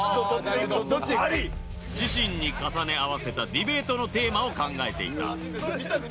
自身に重ね合わせたディベートのテーマを考えていた